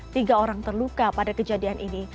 tiga orang terluka pada kejadian ini